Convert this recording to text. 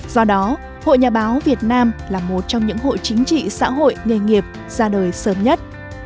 do đó hội nhà báo việt nam là một trong những hội chính trị xã hội nghề nghiệp ra đời sớm nhất